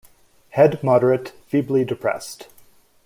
Head moderate, feebly depressed.